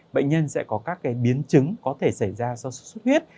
bệnh nhân sẽ có các biến chứng có thể xảy ra do sốt xuất huyết